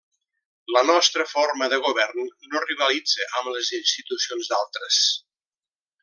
La nostra forma de govern no rivalitza amb les institucions d'altres.